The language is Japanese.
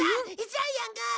ジャイアンが。